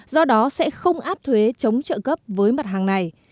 do đó sẽ không áp thuế chống trợ cấp với mặt hàng này